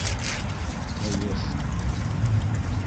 Кәйеф...